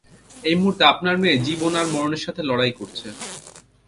এই মুহূর্তে, আপনার মেয়ে জীবন আর মরনের সাথে লড়াই করছে।